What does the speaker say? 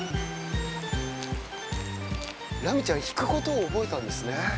ラミちゃん引くことを覚えたんですね。